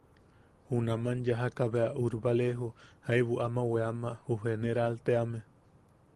Junaman yajaka bea Urbalejo jaibu ama weama ju Generaal teame.